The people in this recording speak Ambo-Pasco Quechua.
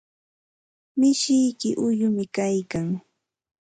Mishiyki uyumi kaykan.